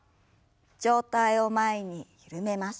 上体を前に緩めます。